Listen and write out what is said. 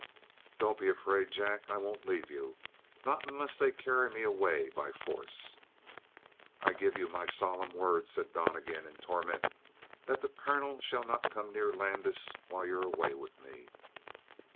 "Don't be afraid, Jack. I won't leave you. Not unless they carry me away by force." "I give you my solemn word." said Donnegan in torment, "that the colonel shall not come near Landis while you're away with me."